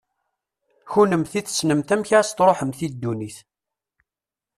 Kennemti tessnemt amek ad as-tṛuḥemt i ddunit.